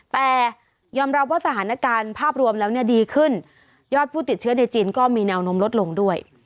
แต่ยอมรับว่าสถานการณ์ภาพรวมแล้วเนี่ยดีขึ้นยอดผู้ติดเชื้อในจีนก็มีแนวนมลดลงด้วย